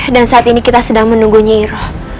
dan saat ini kita sedang menunggu nyiroh